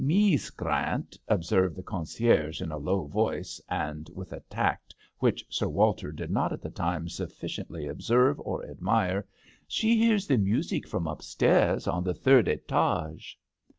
"Mees Grant," observed the concierge, in a low voice, and with a tact which Sir Walter did not at the time sufficiently ob serve or admire — "she hears the music from upstairs, on the third efage.